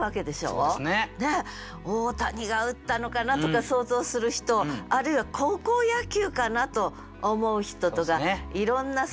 「大谷が打ったのかな？」とか想像する人あるいは「高校野球かな？」と思う人とかいろんなサヨナラ打。